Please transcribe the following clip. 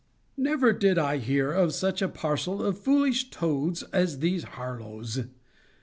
Never did I hear of such a parcel of foolish toads as these Harlowes!